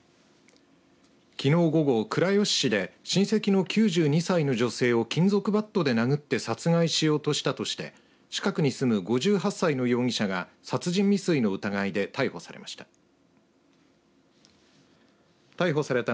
きのう午後、倉吉市で親戚の９２歳の女性を金属バットで殴って殺害しようとしたとして近くに住む５８歳の容疑者が殺人未遂の疑いで逮捕されました。